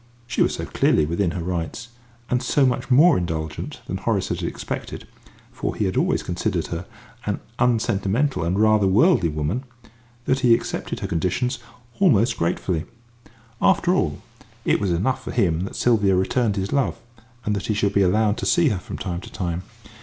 She was so clearly within her rights, and so much more indulgent than Horace had expected for he had always considered her an unsentimental and rather worldly woman that he accepted her conditions almost gratefully. After all, it was enough for him that Sylvia returned his love, and that he should be allowed to see her from time to time.